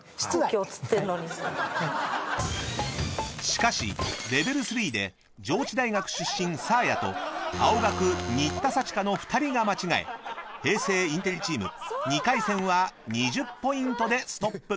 ［しかしＬＥＶＥＬ．３で上智大学出身サーヤと青学新田さちかの２人が間違え平成インテリチーム２回戦は２０ポイントでストップ］